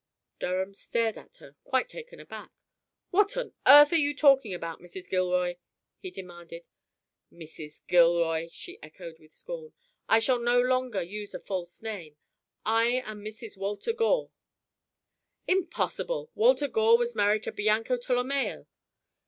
Durham stared at her, quite taken aback. "What on earth are you talking about, Mrs. Gilroy?" he demanded. "Mrs. Gilroy," she echoed with scorn. "I shall no longer use a false name. I am Mrs. Walter Gore." "Impossible. Walter Gore was married to Bianca Tolomeo!"